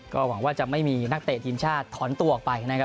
ก็หวังว่าจะไม่มีนักเตะทีมชาติถอนตัวออกไปนะครับ